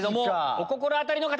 お心当たりの方！